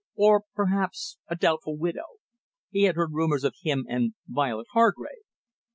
"Or, perhaps, a doubtful widow?" He had heard rumours of him and Violet Hargrave.